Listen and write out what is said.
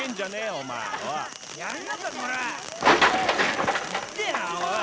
おい！